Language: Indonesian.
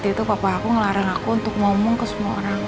itu papa aku ngelarang aku untuk ngomong ke semua orang